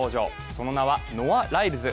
その名はノア・ライルズ。